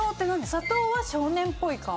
砂糖は少年っぽい顔